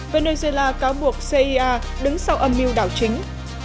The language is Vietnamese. venezuela cáo buộc cia đứng sau âm mưu đảo chính